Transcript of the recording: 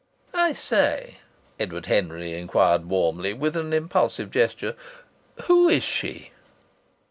"I say," Edward Henry inquired warmly, with an impulsive gesture, "who is she?"